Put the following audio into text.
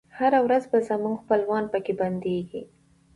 هره ورځ به زموږ خپلوان پکښي بندیږی